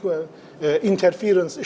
mengenai masalah interferensi